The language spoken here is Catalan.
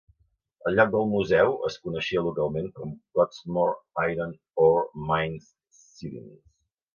El lloc del museu es coneixia localment com Cottesmore Iron Ore Mines Sidings.